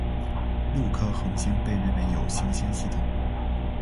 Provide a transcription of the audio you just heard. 六颗恒星被认为有行星系统。